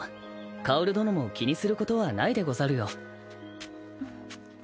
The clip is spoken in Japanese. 薫殿も気にすることはないでござるよ。